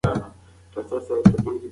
ما په کړکۍ کې د سهارني ستوري ځلا ولیده.